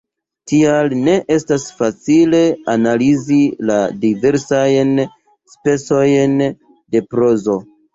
Tial ne estas facile analizi la diversajn specojn de prozo.